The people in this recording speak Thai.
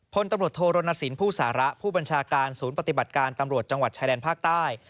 พลตำรวจโทรณสินผู้สาระผู้บัญชาการศูนย์ปฏิบัติการตำรวจจังหวัดชายแดนภาคใต้